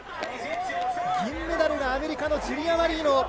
銀メダルがアメリカのジュリア・マリーノ。